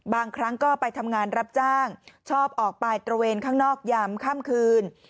บางครั้งก็ไปทำงานรับจ้างชอบออกไปตระเวนข้างนอกยามค่ำคืน